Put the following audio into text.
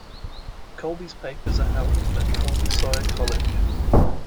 Colby's papers are held at Colby-Sawyer College.